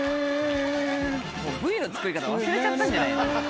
もうＶＴＲの作り方忘れちゃったんじゃないの？